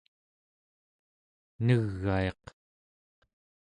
negaiq